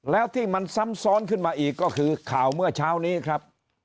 แล้วที่มันซ้ำซ้อนขึ้นมาอีกก็คือข่าวเมื่อเช้านี้ครับ